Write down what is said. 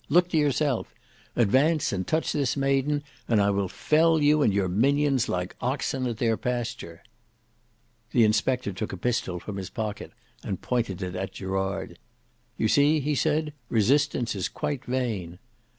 Look to yourself. Advance and touch this maiden, and I will fell you and your minions like oxen at their pasture." The inspector took a pistol from his pocket and pointed it at Gerard. "You see," he said, "resistance is quite vain."